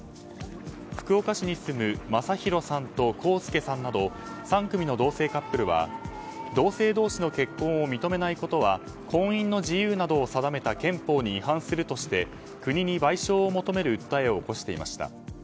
福岡市に住むまさひろさんとこうすけさんなど３組の同性カップルは同性同士の結婚を認めないことは婚姻の自由などを定めた憲法に違反するとして国に賠償を求める訴えを起こしていました。